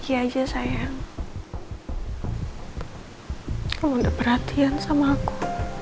kamu udah perhatian sama aku